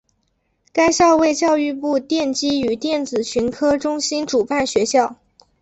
该校为教育部电机与电子群科中心主办学校。